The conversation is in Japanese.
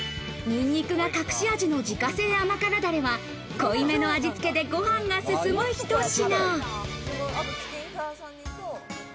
ニンニクが隠し味の自家製甘からだれは、濃いめの味つけでご飯がすすむ一品。